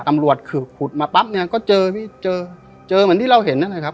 ตำรวจคือผุดมาปั๊บเนี่ยก็เจอพี่เจอเจอเหมือนที่เราเห็นนั่นแหละครับ